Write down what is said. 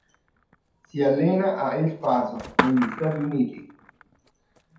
Si allena a El Paso, negli Stati Uniti.